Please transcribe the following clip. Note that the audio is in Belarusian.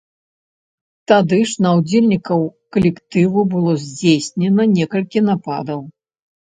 Тады ж на ўдзельнікаў калектыву было здзейснена некалькі нападаў.